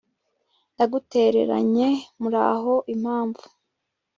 ndagutereranye; muraho, impamvu